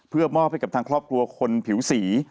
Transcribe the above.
เพื่อมอบให้กับทางครอบครัวคนผิวสี